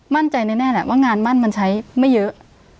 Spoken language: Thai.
มั่นใจแน่แหละว่างานมั่นมันใช้ไม่เยอะ